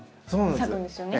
咲くんですよね？